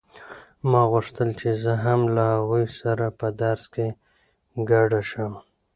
ما غوښتل چې زه هم له هغوی سره په درس کې ګډه شم.